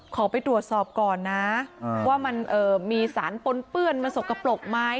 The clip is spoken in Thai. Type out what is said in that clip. ขอไปตรวจสอบก่อนนะว่ามันมีสารปนเปื้อนมันสกปรกไหม